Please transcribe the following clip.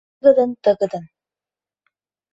Тыгыдын-тыгыдын